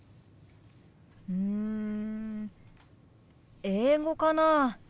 うん英語かな。